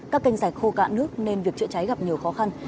các canh rạch khô cạn nước nên việc chữa cháy gặp nhiều khó khăn